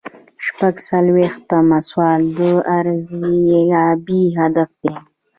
شپږ څلویښتم سوال د ارزیابۍ هدف دی.